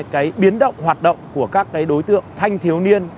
cái biến động hoạt động của các đối tượng thanh thiếu niên